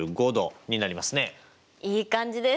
いい感じです！